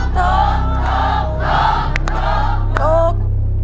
ถูก